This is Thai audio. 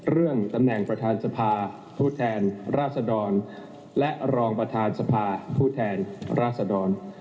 เรื่องตำแหน่งประธานสภาผู้แทนราษดรและรองประธานสภาผู้แทนราษดร